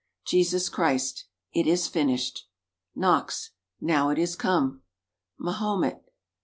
Jesus Christ. "It is finished!" Knox. "Now it is come." Mahomet.